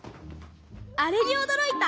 あれにおどろいた！